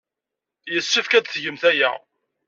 Yessefk ad tgemt aya.